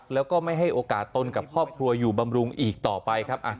แล้วก็ไม่ให้โอกาสตนกับครอบครัวอยู่บำรุงอีกต่อไปครับ